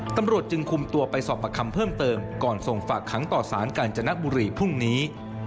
ตำรวจจึงคุมตัวไปสอบประคำเพิ่มเติมก่อนส่งฝากขังต่อสารกาญจนบุรีพรุ่งนี้